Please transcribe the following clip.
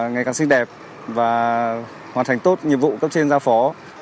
ngày càng xinh đẹp và hoàn thành tốt nhiệm vụ cấp trên giao phó